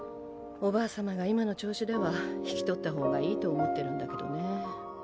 おばあ様が今の調子では引き取った方がいいと思ってるんだけどね